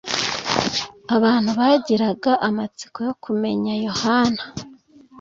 abantu bagiraga amatsiko yo kumenya yohana.